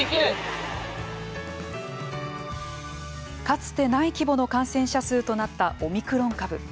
かつてない規模の感染者数となったオミクロン株。